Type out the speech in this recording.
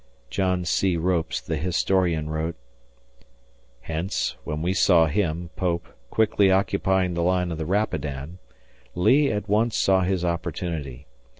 John C. Ropes, the historian, wrote: Hence, when he saw him (Pope) quickly occupying the line of the Rapidan, Lee at once saw his opportunity.